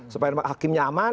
supaya hakimnya aman